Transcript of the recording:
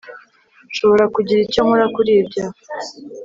nshobora kugira icyo nkora kuri ibyo